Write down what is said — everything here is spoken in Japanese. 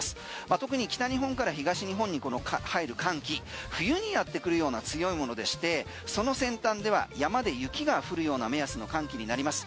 特に北日本から東日本に入る寒気冬にやってくるような強いものでしてその先端では山で雪が降るような目安の寒気になります。